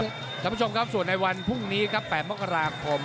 คุณผู้ชมครับส่วนในวันพรุ่งนี้ครับ๘มกราคม